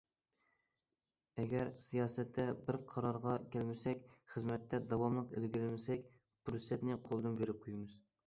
ئەگەر سىياسەتتە بىر قارارغا كەلمىسەك، خىزمەتتە داۋاملىق ئىلگىرىلىمىسەك، پۇرسەتنى قولدىن بېرىپ قويىمىز.